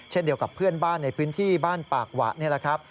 เช่นเดียวกับเพื่อนบ้านในพื้นที่บ้านปากหวะนี่แหละครับ